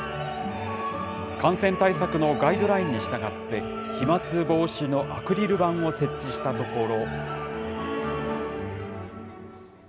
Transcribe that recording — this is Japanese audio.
感染対策のガイドラインに従って、飛まつ防止のアクリル板を設置したところ。